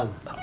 masih ada apa